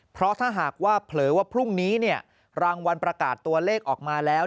เพราะถ้าหากว่าเผลอว่าพรุ่งนี้เนี่ยรางวัลประกาศตัวเลขออกมาแล้ว